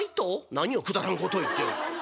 「何をくだらんことを言ってる」。